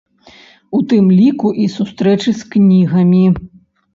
У тым ліку і сустрэчы з кнігамі.